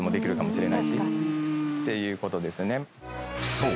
［そう。